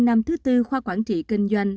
năm thứ tư khoa quản trị kinh doanh